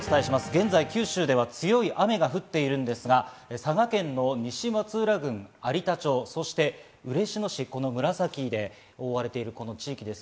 現在、九州では強い雨が降っているんですが、佐賀県の西松浦郡有田町、そして嬉野市紫で覆われている地域です。